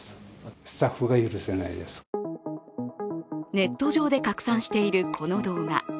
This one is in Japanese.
ネット上で拡散しているこの動画。